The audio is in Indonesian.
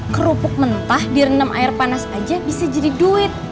kerupuk mentah direndam air panas aja bisa jadi duit